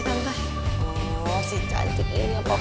si cantik ini apa apa terserah boy